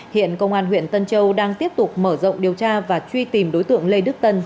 hiện công an huyện tân châu đang tiếp tục mở rộng điều tra và truy tìm đối tượng lê đức tân